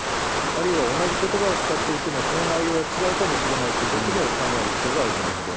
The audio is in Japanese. あるいは同じことばを使っていても、その内容は違うかもしれないということも考える必要があると思いなるほど。